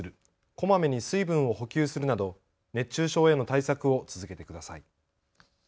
こまめに水分を補給するなど熱中症への対策を続けてください。